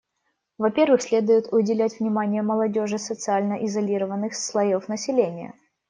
Во-первых, следует уделять внимание молодежи социально изолированных слоев населения.